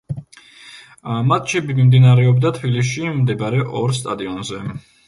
მატჩები მიმდინარეობდა თბილისში მდებარე ორ სტადიონზე.